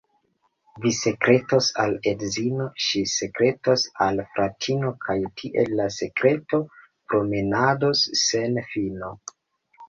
Vi sekretos al edzino, ŝi sekretos al fratino, kaj tiel la sekreto promenados sen fino.